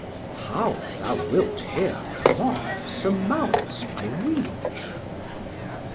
Chor: How thou wilt here come off surmounts my reach.